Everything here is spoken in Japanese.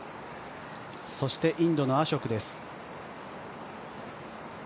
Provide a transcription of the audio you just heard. そして、インドのアショクです。